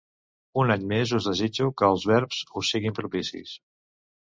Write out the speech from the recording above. Un any més, us desitjo que els verbs us siguin propicis.